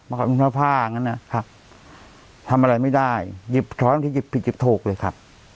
มีผ้าพ่างั้นนะครับทำอะไรไม่ได้หลังจากที่จิบผิดจิบถูกเลยครับ